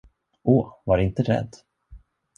Åh, var inte rädd!